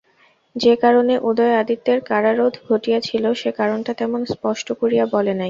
যে কারণে উদয় আদিত্যের কারারোধ ঘটিয়াছিল, সে কারণটা তেমন স্পষ্ট করিয়া বলে নাই।